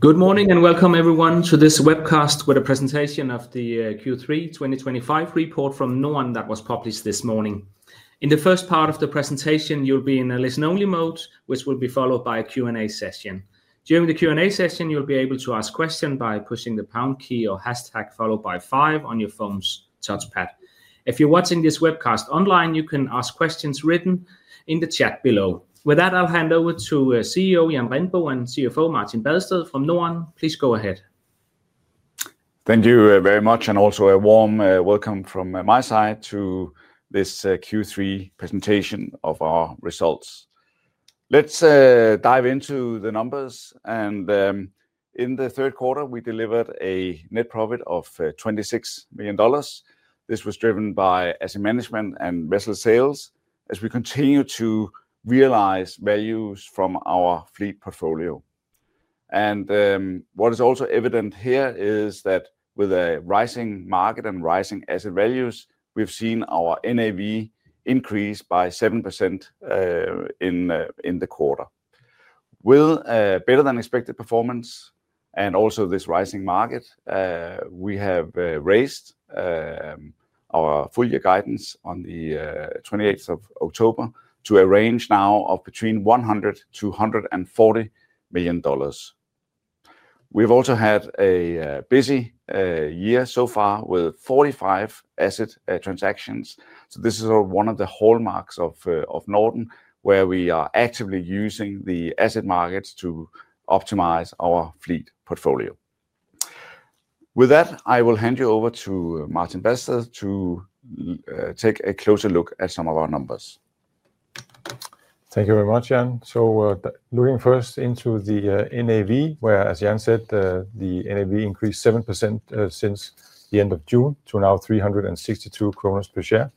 Good morning and welcome, everyone, to this webcast with a presentation of the Q3 2025 report from Dampskibsselskabet Norden A/S that was published this morning. In the first part of the presentation, you'll be in a listen-only mode, which will be followed by a Q&A session. During the Q&A session, you'll be able to ask questions by pushing the pound key or hashtag followed by five on your phone's touchpad. If you're watching this webcast online, you can ask questions written in the chat below. With that, I'll hand over to CEO Jan Rindbo and CFO Martin Badsted from Dampskibsselskabet Norden A/S. Please go ahead. Thank you very much, and also a warm welcome from my side to this Q3 presentation of our results. Let's dive into the numbers. In the third quarter, we delivered a net profit of $26 million. This was driven by asset management and vessel sales as we continue to realize values from our fleet portfolio. What is also evident here is that with a rising market and rising asset values, we've seen our NAV increase by 7% in the quarter. With better-than-expected performance and also this rising market, we have raised our full-year guidance on the 28th of October to a range now of between $100 million-$140 million. We've also had a busy year so far with 45 asset transactions. This is one of the hallmarks of Norden, where we are actively using the asset markets to optimize our fleet portfolio. With that, I will hand you over to Martin Badsted to take a closer look at some of our numbers. Thank you very much, Jan. Looking first into the NAV, where, as Jan said, the NAV increased 7% since the end of June to now 362 kroner per share.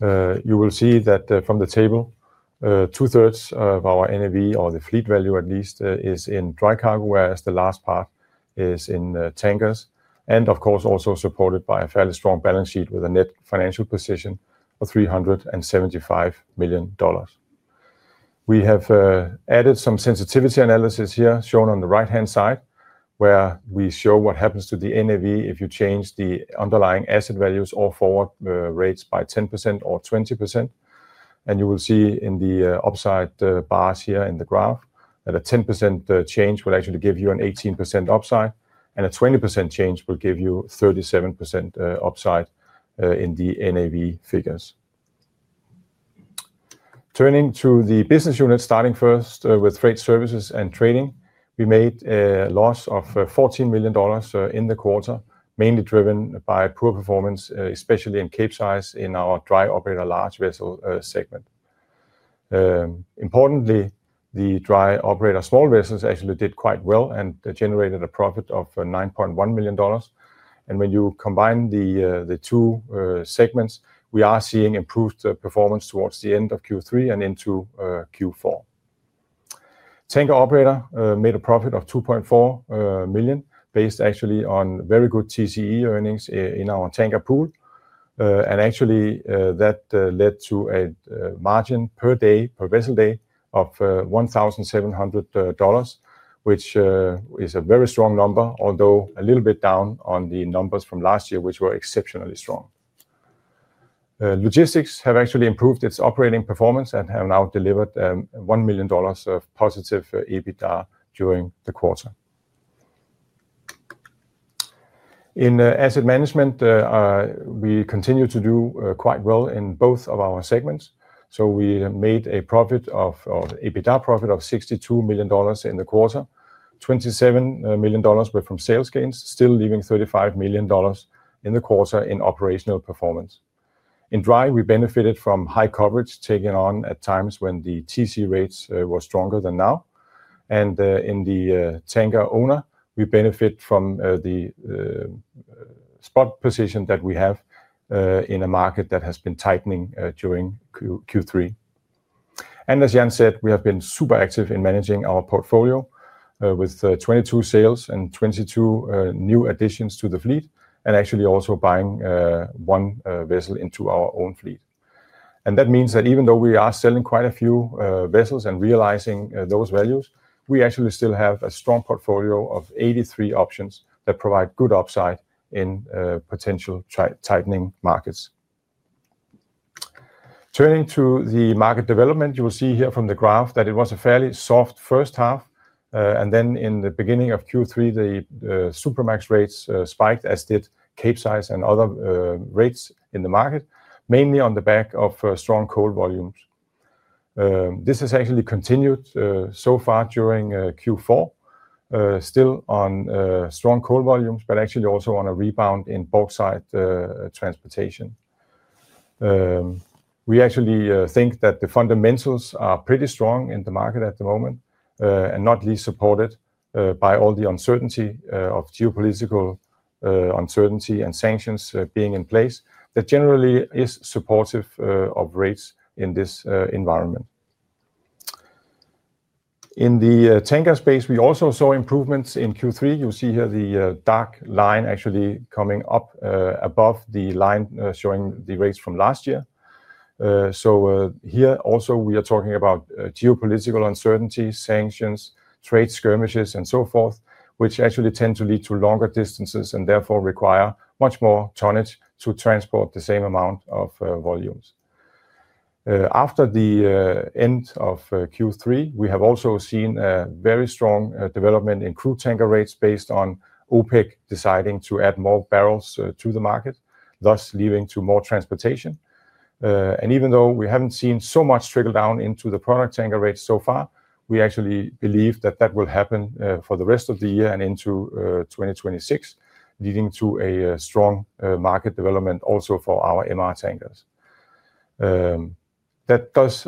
You will see that from the table, two-thirds of our NAV, or the fleet value at least, is in dry cargo, whereas the last part is in tankers. This is also supported by a fairly strong balance sheet with a net financial position of $375 million. We have added some sensitivity analysis here shown on the right-hand side, where we show what happens to the NAV if you change the underlying asset values or forward rates by 10% or 20%. You will see in the upside bars here in the graph that a 10% change will actually give you an 18% upside, and a 20% change will give you a 37% upside in the NAV figures. Turning to the business units, starting first with Freight Services & Trading, we made a loss of $14 million in the quarter, mainly driven by poor performance, especially in capesize in our Dry Operator large vessel segment. Importantly, the Dry Operator small vessels actually did quite well and generated a profit of $9.1 million. When you combine the two segments, we are seeing improved performance towards the end of Q3 and into Q4. Tanker Operator made a profit of $2.4 million based actually on very good TCE earnings in our tanker pool. That led to a margin per day, per vessel day, of $1,700, which is a very strong number, although a little bit down on the numbers from last year, which were exceptionally strong. Logistics have actually improved its operating performance and have now delivered $1 million of positive EBITDA during the quarter. In Asset Management, we continue to do quite well in both of our segments. We made an EBITDA profit of $62 million in the quarter, $27 million went from sales gains, still leaving $35 million in the quarter in operational performance. In dry, we benefited from high coverage taken on at times when the TC rates were stronger than now. In the Tanker Owner, we benefit from the spot position that we have in a market that has been tightening during Q3. As Jan said, we have been super active in managing our portfolio with 22 sales and 22 new additions to the fleet, and actually also buying one vessel into our own fleet. That means that even though we are selling quite a few vessels and realizing those values, we actually still have a strong portfolio of 83 options that provide good upside in potential tightening markets. Turning to the market development, you will see here from the graph that it was a fairly soft first half. Then in the beginning of Q3, the supramax rates spiked, as did capesize and other rates in the market, mainly on the back of strong coal volumes. This has actually continued so far during Q4, still on strong coal volumes, but actually also on a rebound in bauxite transportation. We actually think that the fundamentals are pretty strong in the market at the moment, and not least supported by all the uncertainty of geopolitical uncertainty and sanctions being in place, that generally is supportive of rates in this environment. In the tanker space, we also saw improvements in Q3. You'll see here the dark line actually coming up above the line showing the rates from last year. Here also we are talking about geopolitical uncertainty, sanctions, trade skirmishes, and so forth, which actually tend to lead to longer distances and therefore require much more tonnage to transport the same amount of volumes. After the end of Q3, we have also seen a very strong development in crude tanker rates based on OPEC deciding to add more barrels to the market, thus leading to more transportation. Even though we haven't seen so much trickle down into the product tanker rates so far, we actually believe that that will happen for the rest of the year and into 2026, leading to a strong market development also for our MR tankers. That does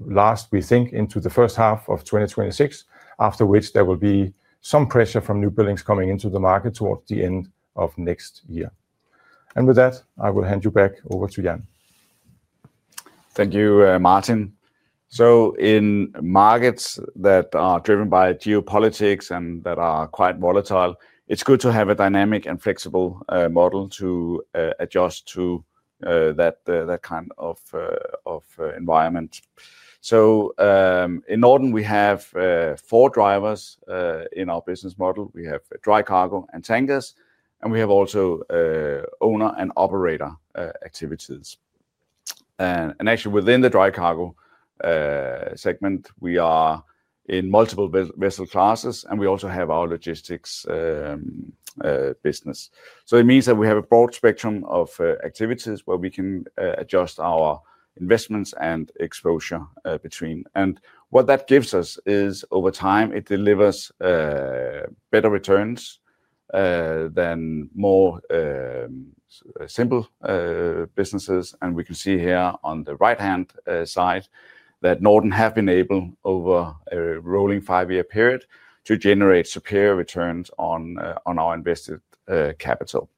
last, we think, into the first half of 2026, after which there will be some pressure from new buildings coming into the market towards the end of next year. With that, I will hand you back over to Jan. Thank you, Martin. In markets that are driven by geopolitics and that are quite volatile, it's good to have a dynamic and flexible model to adjust to that kind of environment. In Norden, we have four drivers in our business model. We have dry cargo and tankers, and we have also owner and operator activities. Actually, within the dry cargo segment, we are in multiple vessel classes, and we also have our Logistics business. It means that we have a broad spectrum of activities where we can adjust our investments and exposure between. What that gives us is, over time, it delivers better returns than more simple businesses. We can see here on the right-hand side that Norden has been able, over a rolling five-year period, to generate superior returns on our invested capital.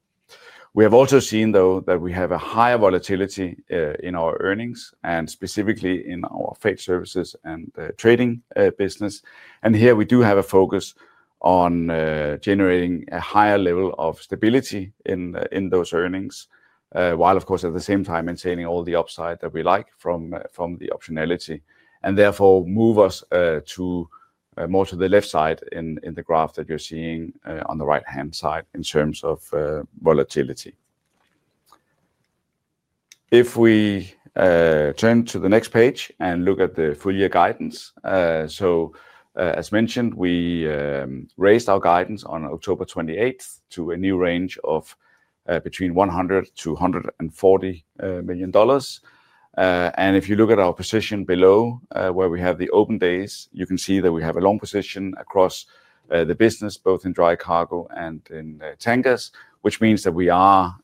We have also seen, though, that we have a higher volatility in our earnings, specifically in our Freight Services & Trading business. Here we do have a focus on generating a higher level of stability in those earnings, while, of course, at the same time, maintaining all the upside that we like from the optionality. Therefore, move us more to the left side in the graph that you're seeing on the right-hand side in terms of volatility. If we turn to the next page and look at the full-year guidance. As mentioned, we raised our guidance on October 28 to a new range of between $100 million to $140 million. If you look at our position below, where we have the open days, you can see that we have a long position across the business, both in dry cargo and in tankers, which means that we are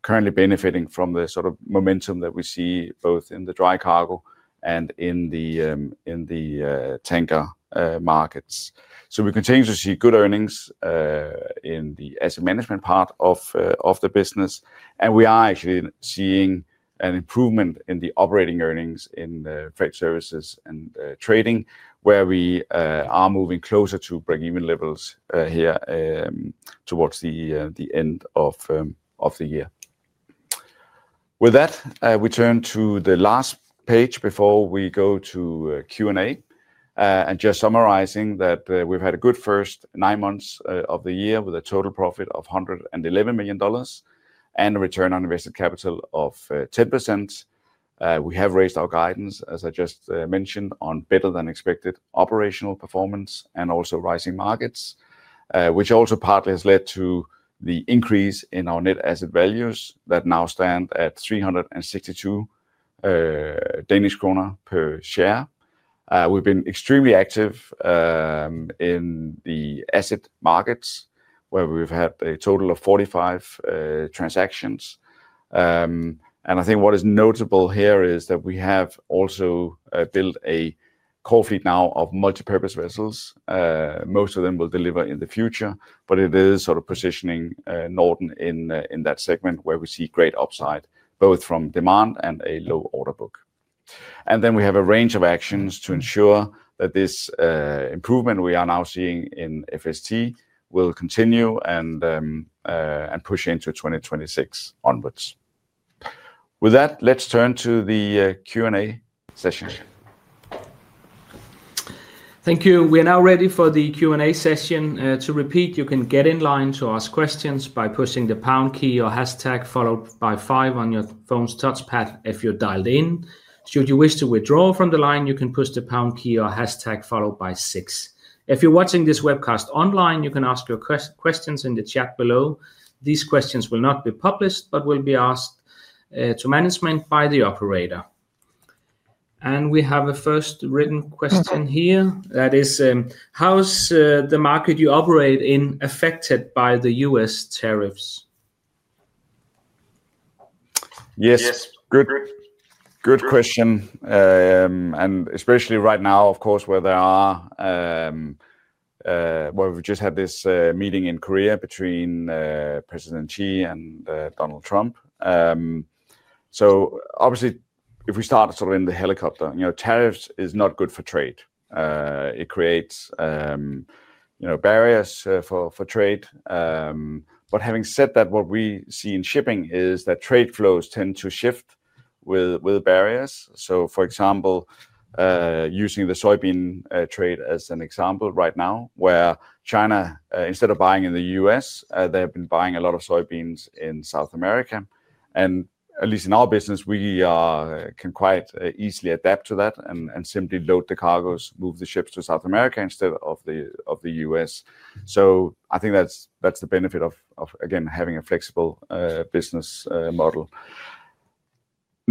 currently benefiting from the sort of momentum that we see both in the dry cargo and in the tanker markets. We continue to see good earnings in the asset management part of the business. We are actually seeing an improvement in the operating earnings in Freight Services & Trading, where we are moving closer to break-even levels here towards the end of the year. With that, we turn to the last page before we go to Q&A. Just summarizing that we've had a good first nine months of the year with a total profit of $111 million and a return on invested capital of 10%. We have raised our guidance, as I just mentioned, on better-than-expected operational performance and also rising markets, which also partly has led to the increase in our net asset values that now stand at 362 Danish kroner per share. We've been extremely active in the asset markets, where we've had a total of 45 transactions. What is notable here is that we have also built a core fleet now of multipurpose vessels. Most of them will deliver in the future, but it is sort of positioning Norden in that segment, where we see great upside, both from demand and a low order book. We have a range of actions to ensure that this improvement we are now seeing in Freight Services & Trading will continue and push into 2026 onwards. With that, let's turn to the Q&A session. Thank you. We are now ready for the Q&A session. To repeat, you can get in line to ask questions by pushing the pound key or hashtag followed by five on your phone's touchpad if you're dialed in. Should you wish to withdraw from the line, you can push the pound key or hashtag followed by six. If you're watching this webcast online, you can ask your questions in the chat below. These questions will not be published, but will be asked to management by the operator. We have a first written question here. That is, how is the market you operate in affected by the U.S. tariffs? Yes, good question. Especially right now, of course, where we've just had this meeting in Korea between President Xi and Donald Trump. Obviously, if we start sort of in the helicopter, tariffs are not good for trade. It creates barriers for trade. Having said that, what we see in shipping is that trade flows tend to shift with barriers. For example, using the soybean trade as an example right now, where China, instead of buying in the U.S., they have been buying a lot of soybeans in South America. At least in our business, we can quite easily adapt to that and simply load the cargoes, move the ships to South America instead of the U.S. I think that's the benefit of, again, having a flexible business model.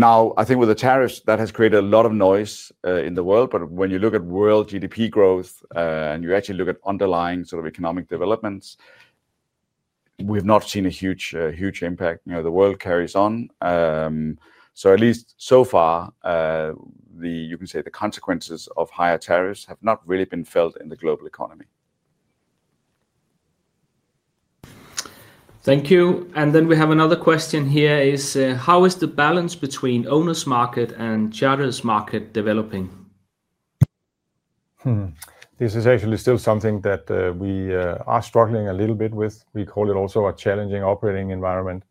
I think with the tariffs, that has created a lot of noise in the world. When you look at world GDP growth and you actually look at underlying sort of economic developments, we've not seen a huge impact. The world carries on. At least so far, you can say the consequences of higher tariffs have not really been felt in the global economy. Thank you. We have another question here. It is, how is the balance between owner's market and charter's market developing? This is actually still something that we are struggling a little bit with. We call it also a challenging operating environment.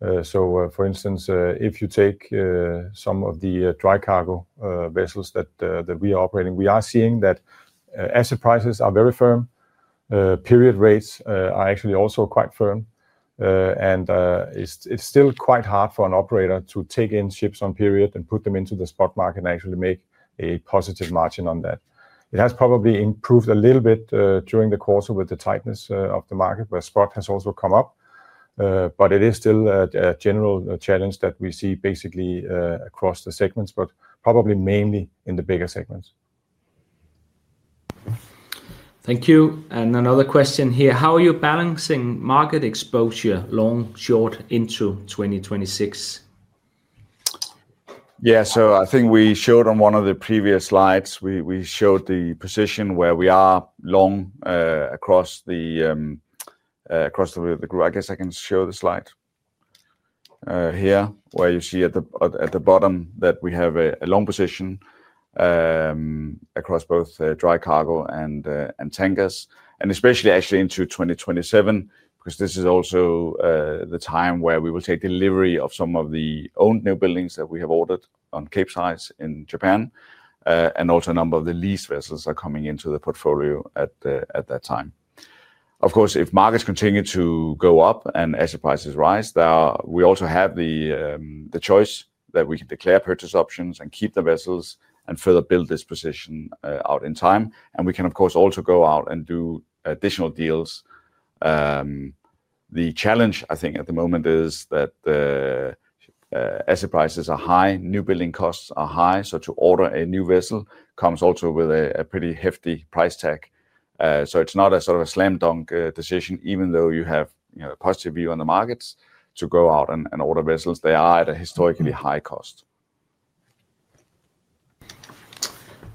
For instance, if you take some of the dry cargo vessels that we are operating, we are seeing that asset prices are very firm. Period rates are actually also quite firm. It's still quite hard for an operator to take in ships on period and put them into the spot market and actually make a positive margin on that. It has probably improved a little bit during the course of the tightness of the market, where spot has also come up. It is still a general challenge that we see basically across the segments, but probably mainly in the bigger segments. Thank you. Another question here. How are you balancing market exposure long, short, into 2026? Yeah, I think we showed on one of the previous slides, we showed the position where we are long across the group. I guess I can show the slide here, where you see at the bottom that we have a long position across both dry cargo and tankers. Especially actually into 2027, because this is also the time where we will take delivery of some of the owned new buildings that we have ordered on cape size in Japan. Also, a number of the lease vessels are coming into the portfolio at that time. Of course, if markets continue to go up and asset prices rise, we also have the choice that we can declare purchase options and keep the vessels and further build this position out in time. We can, of course, also go out and do additional deals. The challenge, I think, at the moment is that asset prices are high, newbuilding costs are high. To order a new vessel comes also with a pretty hefty price tag. It's not a sort of a slam dunk decision, even though you have a positive view on the markets, to go out and order vessels. They are at a historically high cost.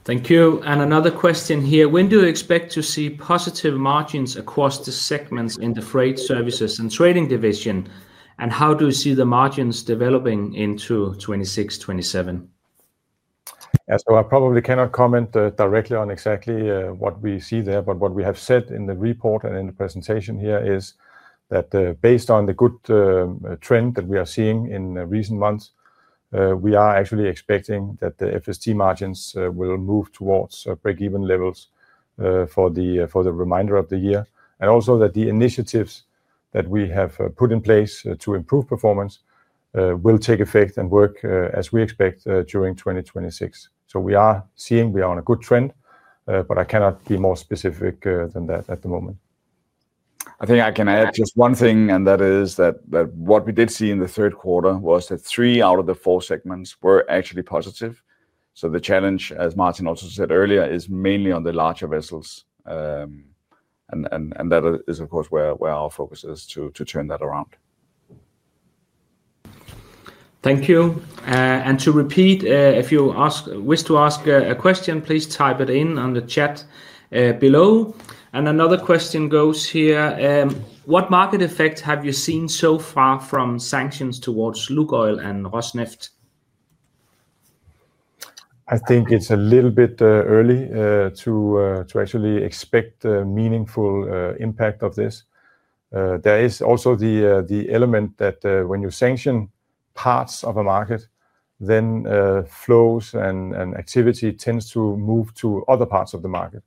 Thank you. Another question here. When do you expect to see positive margins across the segments in the Freight Services & Trading division? How do you see the margins developing into 2026, 2027? I probably cannot comment directly on exactly what we see there, but what we have said in the report and in the presentation here is that based on the good trend that we are seeing in recent months, we are actually expecting that the Freight Services & Trading margins will move towards break-even levels for the remainder of the year. Also, the initiatives that we have put in place to improve performance will take effect and work as we expect during 2026. We are seeing we are on a good trend, but I cannot be more specific than that at the moment. I think I can add just one thing, and that is that what we did see in the third quarter was that three out of the four segments were actually positive. The challenge, as Martin Badsted also said earlier, is mainly on the larger vessels. That is, of course, where our focus is to turn that around. Thank you. To repeat, if you wish to ask a question, please type it in on the chat below. Another question goes here. What market effect have you seen so far from sanctions towards Lukoil and Rosneft? I think it's a little bit early to actually expect a meaningful impact of this. There is also the element that when you sanction parts of a market, then flows and activity tend to move to other parts of the market.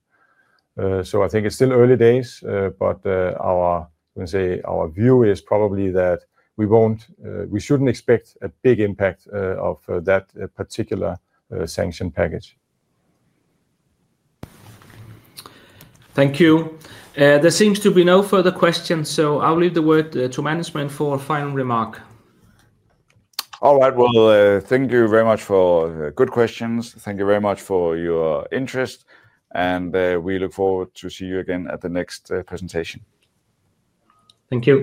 I think it's still early days, but our view is probably that we shouldn't expect a big impact of that particular sanction package. Thank you. There seems to be no further questions, so I'll leave the word to management for a final remark. All right, thank you very much for good questions. Thank you very much for your interest. We look forward to seeing you again at the next presentation. Thank you.